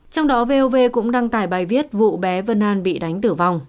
trong đó vov cũng đăng tải bài viết vụ bé vân an bị đánh tử vong